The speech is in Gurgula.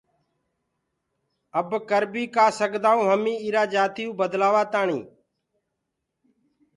اب ڪر بيٚ ڪآ سگدآئونٚ هميٚنٚ ايٚرآ جاتيٚئو بدلآوآتآڻيٚ